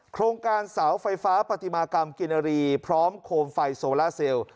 โครงการเสาไฟฟ้าปฏิมากรรมกินรีพร้อมโคมไฟโซล่าเซลล์